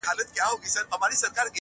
او نه يې په کيسه کي دي